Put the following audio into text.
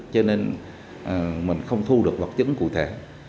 cho nên mình không thu được vật chứng cụ thể